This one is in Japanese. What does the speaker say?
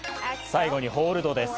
最後にホールドです。